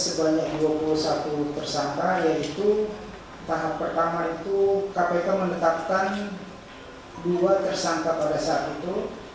sebanyak dua puluh satu tersangka yaitu tahap pertama itu kpk menetapkan dua tersangka pada saat itu